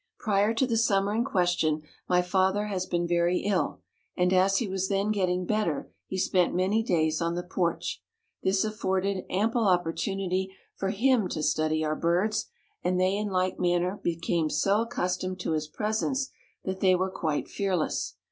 Prior to the summer in question, my father had been very ill, and as he was then getting better he spent many days on the porch. This afforded ample opportunity for him to study our birds, and they in like manner became so accustomed to his presence that they were quite fearless.